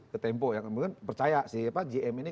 ke tempo yang memang percaya si gm ini